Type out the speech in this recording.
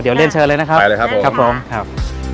เดี๋ยวเล่นเชิญเลยนะครับ